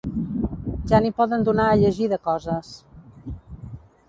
Ja n'hi podien donar a llegir de coses